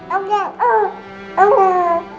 aku bisa berharap